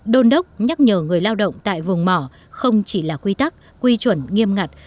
đôn đốc nhắc nhở người lao động tại vùng mỏ không chỉ là quy tắc quy chuẩn nghiêm ngặt